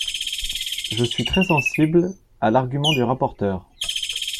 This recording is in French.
Je suis très sensible à l’argument du rapporteur.